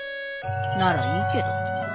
ならいいけど。